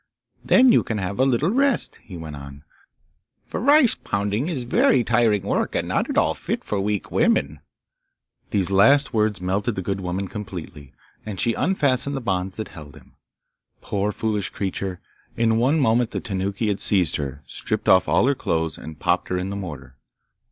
'Then you can have a little rest,' he went on, 'for rice pounding is very tiring work, and not at all fit for weak women.' These last words melted the good woman completely, and she unfastened the bonds that held him. Poor foolish creature! In one moment the Tanuki had seized her, stripped off all her clothes, and popped her in the mortar.